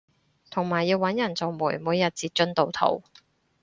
同埋要搵人做媒每日截進度圖